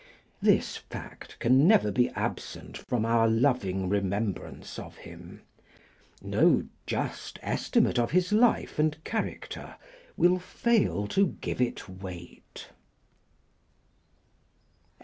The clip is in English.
This fact can never be absent from our loving remembrance of him. No just estimate of his life and character will fail to give it weight.